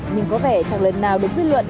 nhưng có vẻ chẳng lần nào được dư luận